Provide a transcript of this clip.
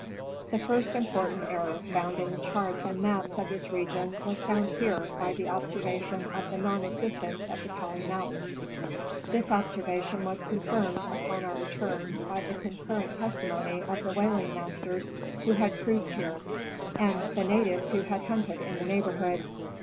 The first important error found in the charts and maps of this region was found here by the observation of the non existence of the Pelly mountains. This observation was confirmed upon our return by the concurrent testimony of the whaling masters Who had cruised here, and the natives who hunt in the neighborhood.